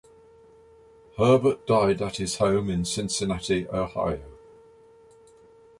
Herbert died at his home in Cincinnati, Ohio.